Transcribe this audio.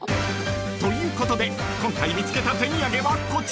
［ということで今回見つけた手土産はこちら］